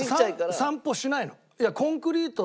散歩しないの。